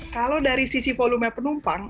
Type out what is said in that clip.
kalau dari sisi volume penumpang